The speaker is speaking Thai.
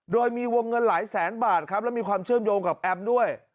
โดยมีวงเงินหลายแสนบาทครับแล้วมีความเชื่อมโยงกับแอมด้วย